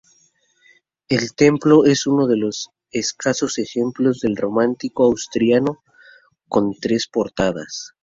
El templo es uno de los escasos ejemplos del románico asturiano con tres portadas.